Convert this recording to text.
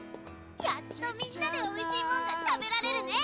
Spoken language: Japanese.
やっとみんなでおいしいもんが食べられるね。